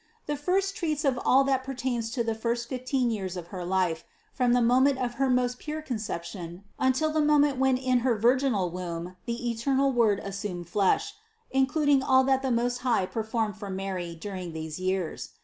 The first treats of all that pertains to the first fifteen years of her life, from the moment of her most pure Conception until the moment when in her virginal womb the eternal Word assumed flesh, including all that the Most High per formed for Mary during these years.